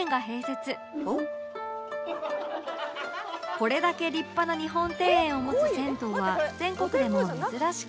これだけ立派な日本庭園を持つ銭湯は全国でも珍しく